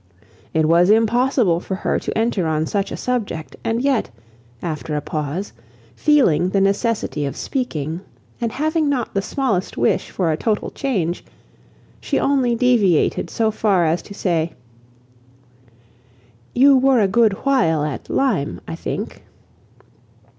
It was impossible for her to enter on such a subject; and yet, after a pause, feeling the necessity of speaking, and having not the smallest wish for a total change, she only deviated so far as to say— "You were a good while at Lyme, I think?"